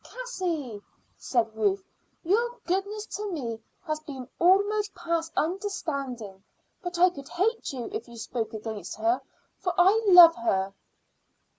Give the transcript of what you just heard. "Cassie," said Ruth, "your goodness to me has been almost past understanding; but I could hate you if you spoke against her, for I love her."